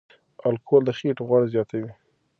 الکول د خېټې غوړ زیاتوي.